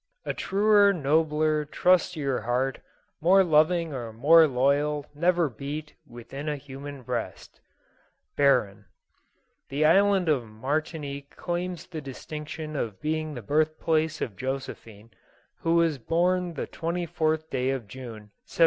A truer, nobler, trustier heart, More loving or more loyal, never beat Within a huuian breast." — BTBOX. THE island of Martinique claims the distinction of being the birth place of Josephine, who was born the 24th day of June, 1763.